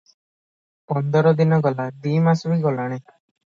ପନ୍ଦର ଦିନ ଗଲା, ଦି ମାସ ବି ଗଲାଣି ।